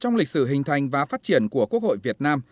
trong lịch sử hình thành và phát triển của quốc hội việt nam